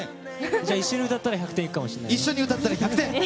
じゃあ一緒に歌ったら１００点行くかもね。